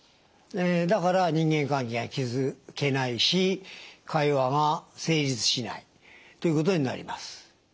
だから人間関係が築けないし会話が成立しないということになります。